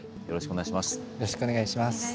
よろしくお願いします。